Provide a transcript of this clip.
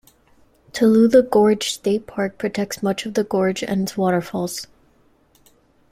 Tallulah Gorge State Park protects much of the gorge and its waterfalls.